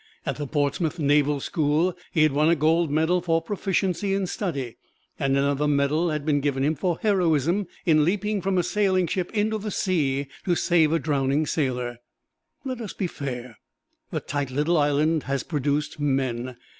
At the Portsmouth Naval School he had won a gold medal for proficiency in study, and another medal had been given him for heroism in leaping from a sailing ship into the sea to save a drowning sailor. Let us be fair the tight little island has produced men.